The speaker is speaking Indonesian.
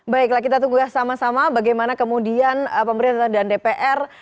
baiklah kita tunggu sama sama bagaimana kemudian pemerintah dan dpr